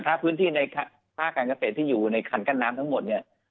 แต่พื้นที่ในท่าการเกษตรที่อยู่ในคันกั้นน้ำทั้งหมด